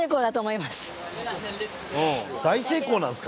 うん大成功なんですか？